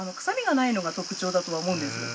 臭みがないのが特徴だとは思うんです。